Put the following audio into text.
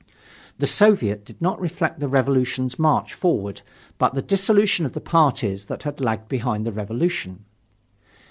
The Soviet did not reflect the Revolution's march forward but the dissolution of the parties that had lagged behind the Revolution.